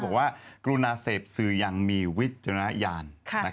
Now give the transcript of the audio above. บอกว่ากรุณาเสพสื่ออย่างมีวิจารณญาณ